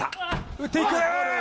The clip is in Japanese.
打っていく！